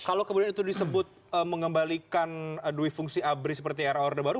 kalau kemudian itu disebut mengembalikan dui fungsi abri seperti era orde baru